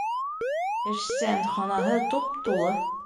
Эшсән ханаһытуп-тулы